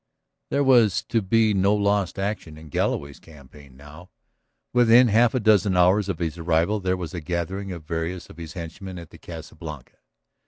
There was to be no lost action in Galloway's campaign now. Within half a dozen hours of his arrival there was a gathering of various of his henchmen at the Casa Blanca.